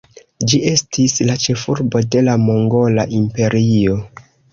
Ĝi estis la ĉefurbo de la Mongola Imperio.